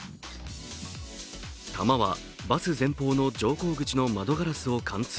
弾はバス前方の乗降口の窓ガラスを貫通。